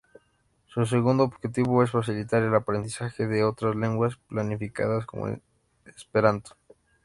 Su segundo objetivo es facilitar el aprendizaje de otras lenguas planificadas como el esperanto.